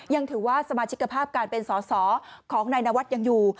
ยังถือว่าสมาชิกภาพการเป็นสอสอของนายนวัฒน์ยังอยู่